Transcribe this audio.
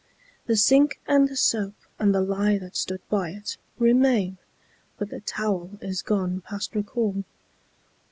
The sink and the soap and the lye that stood by it Remain; but the towel is gone past recall.